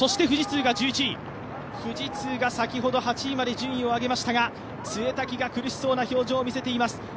富士通が１１位、先ほど８位まで順位を上げましたが潰滝が苦しそうな表情を見せています。